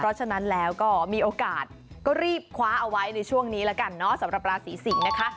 เพราะฉะนั้นแล้วก็มีโอกาสก็รีบคว้าเอาไว้ในช่วงนี้แล้วกันเนาะสำหรับราศีสิงศ์นะคะ